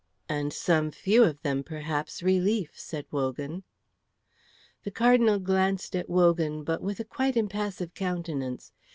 "And some few of them, perhaps, relief," said Wogan. The Cardinal glanced at Wogan, but with a quite impassive countenance.